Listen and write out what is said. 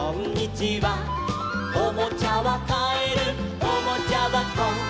「おもちゃはかえるおもちゃばこ」